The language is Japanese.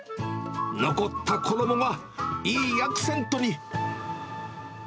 残った衣がいいアクセントに。